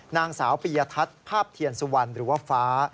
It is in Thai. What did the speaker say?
นางสาวปียทัศน์ภาพเทียนสุวรรณหรือว่าฟ้า